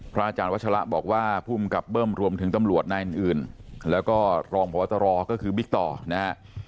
อาจารย์วัชละบอกว่าภูมิกับเบิ้มรวมถึงตำรวจนายอื่นแล้วก็รองพบตรก็คือบิ๊กต่อนะฮะ